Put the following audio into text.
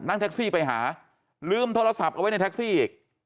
แท็กซี่ไปหาลืมโทรศัพท์เอาไว้ในแท็กซี่อีก